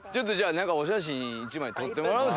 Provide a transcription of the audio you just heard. お写真１枚撮ってもらおう